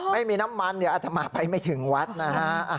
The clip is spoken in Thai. ไม่มีน้ำมันอาจจะมาไปไม่ถึงวัดนะฮะ